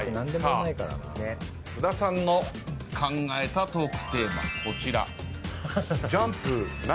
さあ菅田さんの考えたトークテーマこちら。